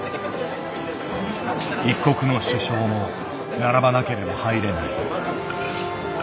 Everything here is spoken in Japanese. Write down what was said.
一国の首相も並ばなければ入れない。